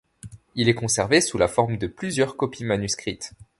Il est conservé sous la forme de plusieurs copies manuscrites.